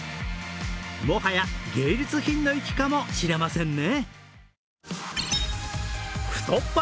もはや芸術品の域かもしれませんね。